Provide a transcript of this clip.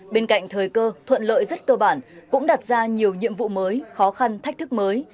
bên cạnh thời cơ thuận lợi rất cơ bản cũng đặt ra nhiều nhiệm vụ mới khó khăn thách thức mới